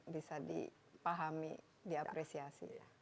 bisa dipahami diapresiasi